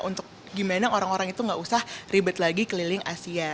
untuk gimana orang orang itu gak usah ribet lagi keliling asia